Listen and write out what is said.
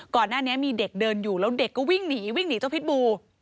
ก่อนหน้านี้มีเด็กเดินอยู่แล้วเด็กก็วิ่งหนีวิ่งหนีเจ้าพิษบู